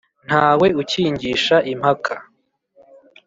Ntawe ukingisha impaka,